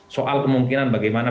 soal kemungkinan bagaimana